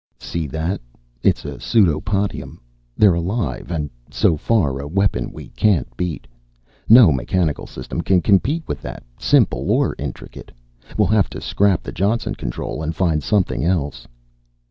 "See that? It's a pseudopodium. They're alive, and so far, a weapon we can't beat. No mechanical system can compete with that, simple or intricate. We'll have to scrap the Johnson Control and find something else."